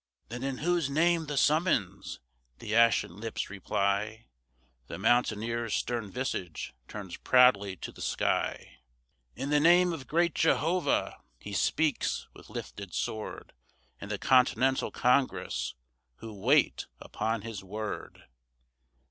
"Then in whose name the summons?" the ashen lips reply. The mountaineer's stern visage turns proudly to the sky, "In the name of great Jehovah!" he speaks with lifted sword, "And the Continental Congress, who wait upon his word!"